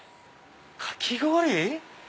「かき氷」